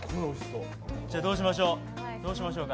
どうしましょう。